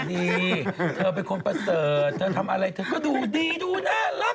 นี่เธอเป็นคนประเสริฐเธอทำอะไรเธอก็ดูดีดูน่ารัก